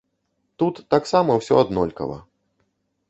Тут таксама ўсё аднолькава.